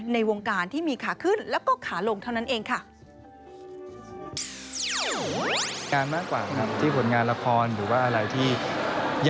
ในวงการที่มีขาขึ้นแล้วก็ขาลงเท่านั้นเองค่ะ